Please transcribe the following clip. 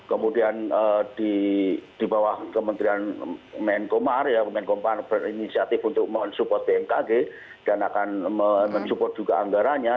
kemudian di bawah kementerian menkomar ya menkompar berinisiatif untuk mensupport bmkg dan akan mensupport juga anggarannya